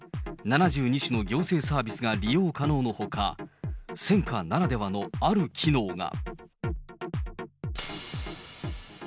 ７２種の行政サービスが利用可能のほか、戦禍ならではのある機能が。